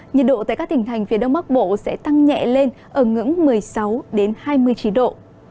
nhiệt độ tại các tỉnh thành phía đông bắc bộ sẽ tăng nhẹ lên ở ngưỡng một mươi sáu hai mươi chín độ